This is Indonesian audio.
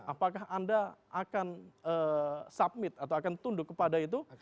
apakah anda akan submit atau akan tunduk kepada itu